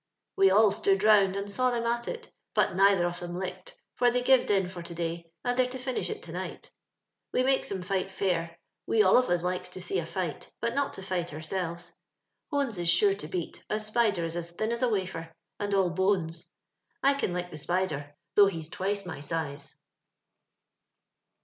We all stood round and saw them at it, but neither of 'em licked, for they gived in for to day, and they're to finish it to night. Wo makes 'em fight fair. Wo all of us likes to see a fight, but not to fight ourselves. Hones is sure to beat, as Spider is as thin as a wafer, and all bones. I can lick the Spider, though he's twice my size."